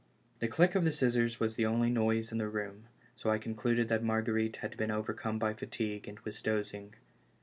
The click of the scissors was the only noise in the room, so I concluded that Marguerite had been overcome by fatigue and was dozing.